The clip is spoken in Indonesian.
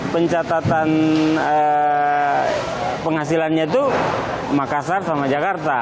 pencatatan penghasilannya itu makassar sama jakarta